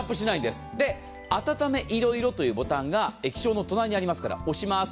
あたためいろいろというボタンが液晶の隣にありますから押します。